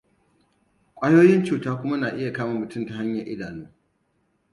Kwayoyin cuta kuma na iya kama mutum ta hanyar idanu.